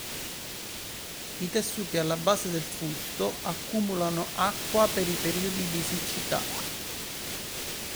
I tessuti alla base del fusto accumulano acqua per i periodi di siccità.